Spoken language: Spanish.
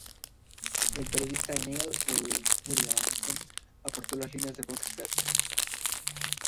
El periodista Nigel Williamson aporto las líneas del box set.